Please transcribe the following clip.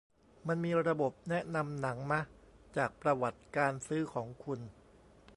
มันมีระบบแนะนำหนังมะ จากประวัติการซื้อของคุณ